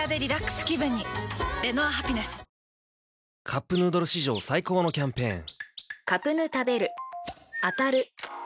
「カップヌードル」史上最高のキャンペーン！